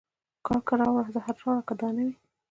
کرکه راوړه زهر راوړه که دا نه وي